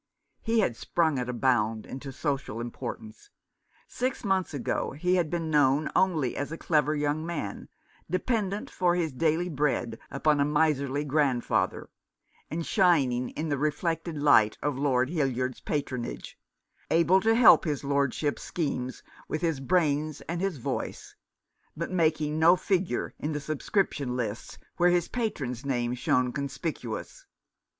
He had sprung at a bound into social importance. Six months ago he had been known only as a clever young man, dependent for his daily bread upon a miserly grandfather/ and shining in the reflected light of Lord Hild yard's patronage, able to help his Lordship's schemes with his brains and his voice, but making no figure in the subscription lists where his patron's name shone conspicuous.